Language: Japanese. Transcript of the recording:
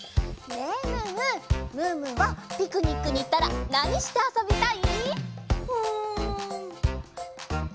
チョロミーはピクニックにいったらなにしてあそびたい？